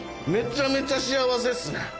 めちゃめちゃ幸せっすね。